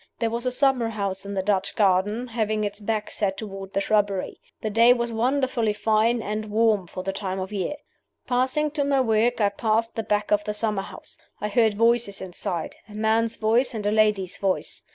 There was a summer house in the Dutch Garden, having its back set toward the shrubbery. The day was wonderfully fine and warm for the time of year. "Passing to my work, I passed the back of the summer house. I heard voices inside a man's voice and a lady's voice.